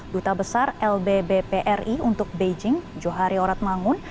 duta besar lbb pri untuk beijing johario ratmangun